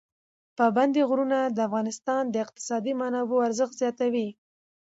پابندي غرونه د افغانستان د اقتصادي منابعو ارزښت زیاتوي.